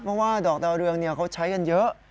เพราะว่าดอกดาวเรืองเขาใช้กันเยอะ